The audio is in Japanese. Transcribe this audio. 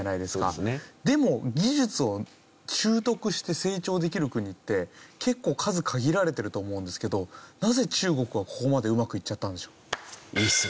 でも技術を習得して成長できる国って結構数限られてると思うんですけどなぜ中国はここまでうまくいっちゃったんでしょう？